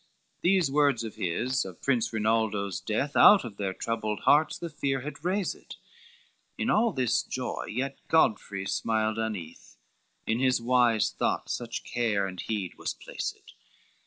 LXXVIII These words of his of Prince Rinaldo's death Out of their troubled hearts, the fear had rased; In all this joy yet Godfrey smiled uneath. In his wise thought such care and heed was placed.